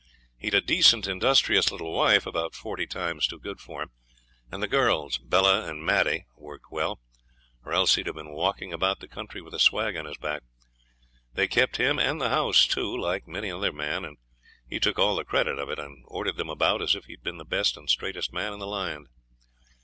He'd a decent, industrious little wife, about forty times too good for him, and the girls, Bella and Maddie, worked well, or else he'd have been walking about the country with a swag on his back. They kept him and the house too, like many another man, and he took all the credit of it, and ordered them about as if he'd been the best and straightest man in the land.